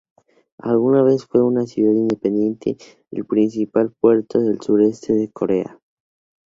Alguna vez fue una ciudad independiente, el principal puerto del sureste de Corea.